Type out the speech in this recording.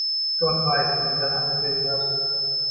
Gott weiß, wie sie das eingefädelt hat.